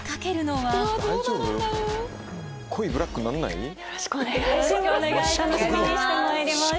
よろしくお願いします。